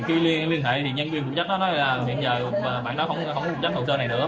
khi liên hệ thì nhân viên phụ trách nói là bây giờ bạn đó không phụ trách thổ sơ này nữa